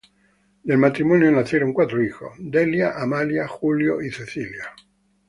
Del matrimonio nacieron cuatro hijos, Delia, Amalia, Julio y Cecilia.